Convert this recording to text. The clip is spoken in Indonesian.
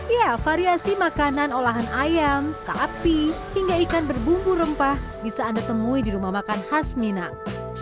ya variasi makanan olahan ayam sapi hingga ikan berbumbu rempah bisa anda temui di rumah makan khas minang